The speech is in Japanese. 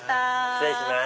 失礼します。